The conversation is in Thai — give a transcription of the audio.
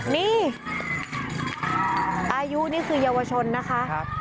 นี่อายุนี่คือเยาวชนนะคะ